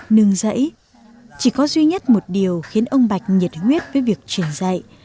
nương dẫy chỉ có duy nhất một điều khiến ông bạch nhiệt huyết với việc truyền dạy